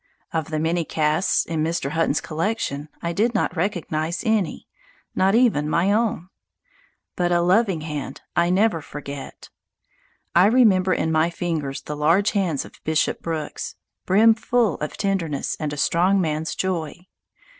Of the many casts in Mr. Hutton's collection I did not recognize any, not even my own. But a loving hand I never forget. I remember in my fingers the large hands of Bishop Brooks, brimful of tenderness and a strong man's joy.